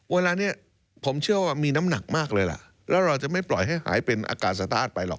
เวลานี้ผมเชื่อว่ามีน้ำหนักมากเลยล่ะแล้วเราจะไม่ปล่อยให้หายเป็นอากาศสตาร์ทไปหรอก